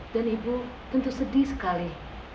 dan ibu tentu sedih sekali